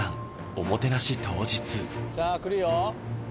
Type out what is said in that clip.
おもてなし当日さあ来るよ！